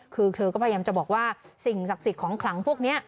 คือเธอก็พยายามจะบอกว่าสิ่งศักดิ์สิทธิ์ของขลังพวกนี้